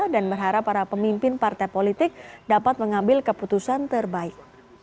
dan berharap para pemimpin partai politik dapat mengambil keputusan terbaik